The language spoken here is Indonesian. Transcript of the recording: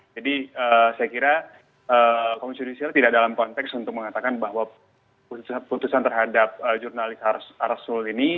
jadi saya kira komisi yudisial tidak dalam konteks untuk mengatakan bahwa putusan terhadap jurnalis asrul ini